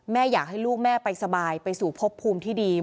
อยากให้ลูกแม่ไปสบายไปสู่พบภูมิที่ดี